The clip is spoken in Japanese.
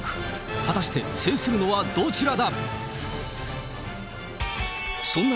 果たして制するのはどちらだ？